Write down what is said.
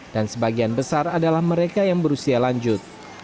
dan sebagian besar adalah mereka yang berusia lanjut